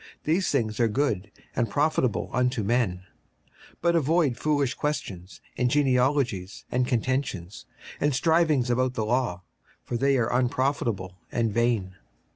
These things are good and profitable unto men. 56:003:009 But avoid foolish questions, and genealogies, and contentions, and strivings about the law; for they are unprofitable and vain.